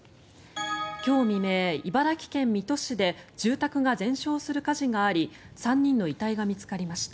今日未明、茨城県水戸市で住宅が全焼する火事があり３人の遺体が見つかりました。